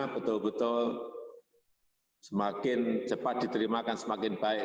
betul betul semakin cepat diterimakan semakin baik